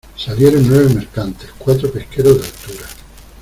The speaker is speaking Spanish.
salieron nueve mercantes, cuatro pesqueros de altura